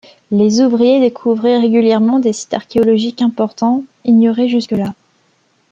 Les ouvriers découvraient régulièrement des sites archéologiques importants, ignorés jusque-là.